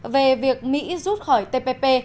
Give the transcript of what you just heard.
về việc mỹ rút khỏi tpp